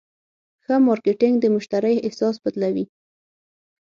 ښه مارکېټنګ د مشتری احساس بدلوي.